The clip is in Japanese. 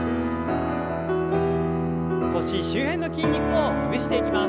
腰周辺の筋肉をほぐしていきます。